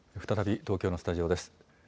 再び東京のスタジオです。